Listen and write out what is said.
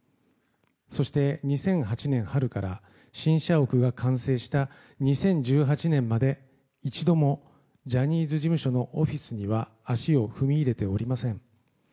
そして２００８年春から新社屋が完成した２０１８年まで一度もジャニーズ事務所のオフィスには足を踏み入れておりません。